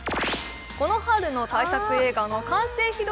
この春の大作映画の完成披露